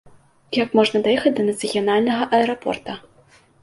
Як можна даехаць да нацыянальнага аэрапорта?